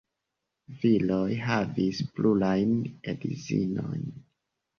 Viroj havis plurajn edzinojn.